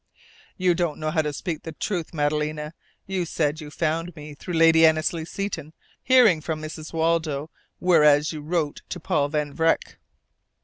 "You don't know how to speak the truth, Madalena! You said you found me through Lady Annesley Seton hearing from Mrs. Waldo, whereas you wrote to Paul Van Vreck."